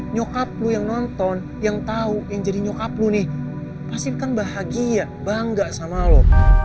nyokap lu yang nonton yang tahu yang jadi nyokap lu nih pasti kan bahagia bangga sama lo